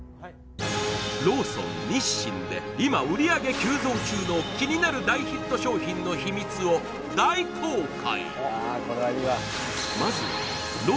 ローソン日清で今売り上げ急増中の気になる大ヒット商品のヒミツを大公開！